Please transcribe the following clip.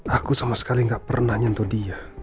aku sama sekali gak pernah nyentuh dia